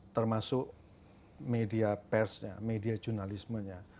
termasuk media persnya media jurnalismenya